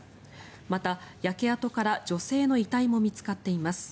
また、焼け跡から女性の遺体も見つかっています。